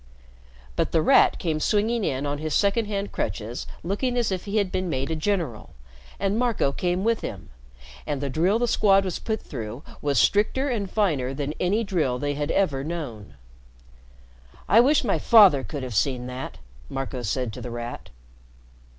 But The Rat came swinging in on his secondhand crutches looking as if he had been made a general, and Marco came with him; and the drill the Squad was put through was stricter and finer than any drill they had ever known. "I wish my father could have seen that," Marco said to The Rat.